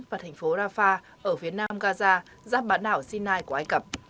vào thành phố rafah ở phía nam gaza giáp bản đảo sinai của ai cập